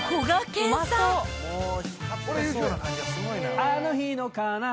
「あの日のかな。